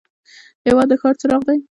هېواد د ښار څراغ دی.